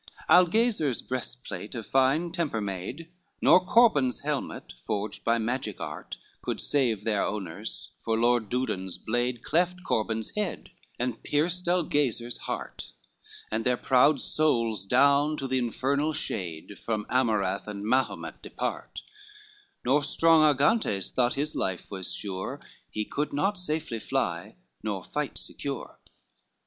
XLIV Algazar's breastplate, of fine temper made, Nor Corban's helmet, forged by magic art, Could save their owners, for Lord Dudon's blade Cleft Corban's head, and pierced Algazar's heart, And their proud souls down to the infernal shade, From Amurath and Mahomet depart; Not strong Argantes thought his life was sure, He could not safely fly, nor fight secure.